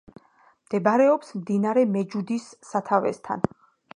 მდებარეობს მდინარე მეჯუდის სათავესთან.